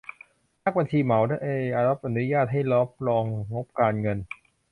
นักบัญชีเหมาได้รับอนุญาตให้รับรองงบการเงิน